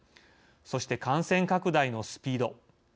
そして感染拡大のスピード。